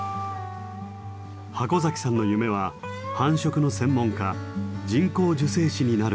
筥嵜さんの夢は繁殖の専門家「人工授精師」になることです。